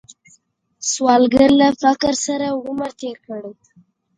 سوالګر له فقر سره عمر تیر کړی